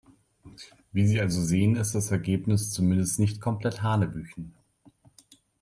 Wie Sie also sehen, ist das Ergebnis zumindest nicht komplett hanebüchen.